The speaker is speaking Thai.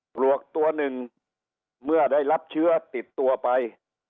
ปลวกตัวหนึ่งเมื่อได้รับเชื้อติดตัวไป